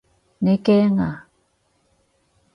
你驚啊？